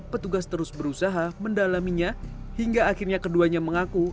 petugas terus berusaha mendalaminya hingga akhirnya keduanya mengaku